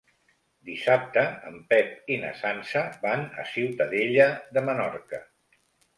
Dissabte en Pep i na Sança van a Ciutadella de Menorca.